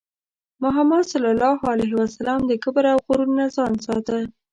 محمد صلى الله عليه وسلم د کبر او غرور نه ځان ساته.